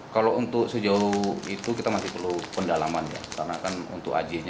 kalau untuk sejauh itu kita masih perlu pendalaman ya karena kan untuk aj nya